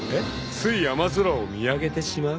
つい雨空を見上げてしまう？］